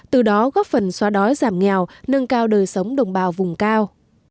từ đó góp phần xóa đói giảm nghèo nâng cao đời sống đồng bào vùng cao